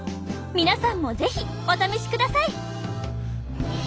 皆さんも是非お試しください。